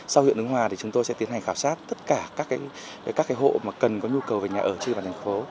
sau huyện ứng hòa thì chúng tôi sẽ tiến hành khảo sát tất cả các hộ mà cần có nhu cầu về nhà ở trên địa bàn thành phố